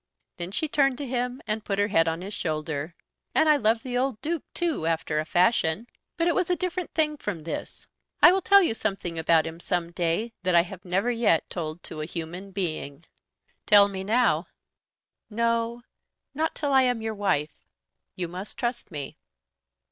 Then she turned to him, and put her head on his shoulder. "And I loved the old Duke, too, after a fashion. But it was a different thing from this. I will tell you something about him some day that I have never yet told to a human being." "Tell me now." "No; not till I am your wife. You must trust me.